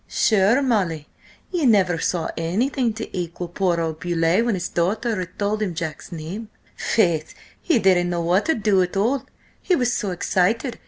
"Sure, Molly, ye never saw anything to equal poor old Beauleigh when his daughter had told him Jack's name! Faith, he didn't know what to do at all, he was so excited!